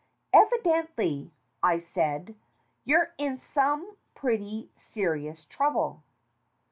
"Evidently," I said, "you're in some pretty serious trouble."